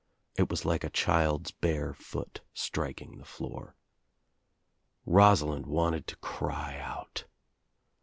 It was like a child's bare foot striking the floor. Rosalind wanted to cry out.